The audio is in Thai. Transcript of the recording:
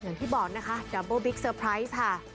อย่างที่บอกนะคะดัมโบบิ๊กเซอร์ไพรส์ค่ะ